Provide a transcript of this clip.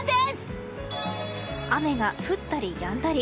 雨が降ったりやんだり。